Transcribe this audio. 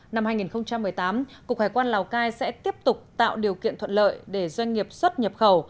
năm hai nghìn một mươi tám cục hải quan lào cai sẽ tiếp tục tạo điều kiện thuận lợi để doanh nghiệp xuất nhập khẩu